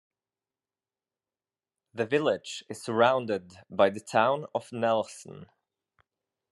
The village is surrounded by the Town of Nelson.